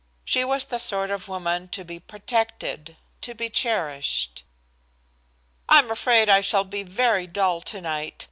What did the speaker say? She was the sort of woman to be protected, to be cherished. "I'm afraid I shall be very dull tonight.